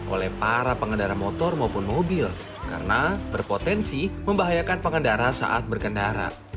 oleh para pengendara motor maupun mobil karena berpotensi membahayakan pengendara saat berkendara